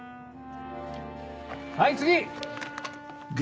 はい次！